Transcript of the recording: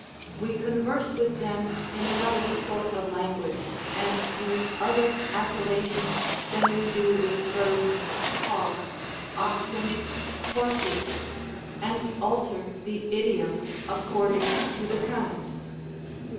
We converse with them in another sort of language, and use other appellations, than we do with birds, hogs, oxen, horses, and alter the idiom according to the kind.